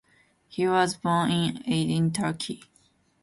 He was born in Aydin, Turkey.